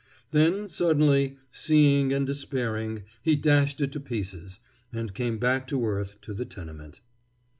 Then, suddenly, seeing and despairing, he dashed it to pieces, and came back to earth and to the tenement.